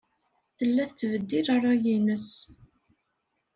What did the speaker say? Tella tettbeddil ṛṛay-nnes.